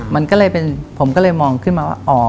มันก็เลยเป็นผมก็เลยมองขึ้นมาว่าอ๋อ